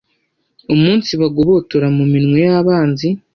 umunsi ibagobotora mu minwe y’abanzi